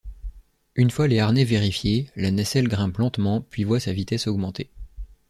Une fois les harnais vérifiés, la nacelle grimpe lentement puis voit sa vitesse augmenter.